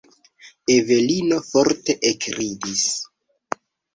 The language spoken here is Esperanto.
Evelino forte ekridis.